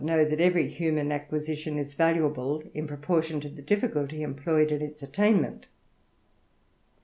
know, that every human acquisition is valuable id propori to the difficulty employed in its attainment.